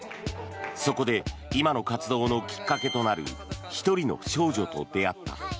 そこで今の活動のきっかけとなる１人の少女と出会った。